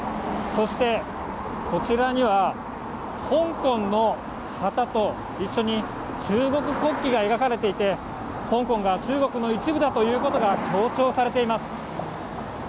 そして、こちらには香港の旗と一緒に、中国国旗が描かれていて、香港が中国の一部だということが強調されています。